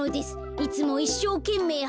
いつもいっしょうけんめい